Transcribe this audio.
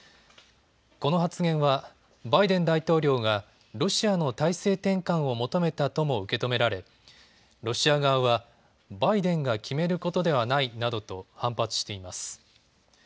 この発言はバイデン大統領がロシアの体制転換を求めたとも受け止められロシア側はバイデンが決めることではないなどと反発しています。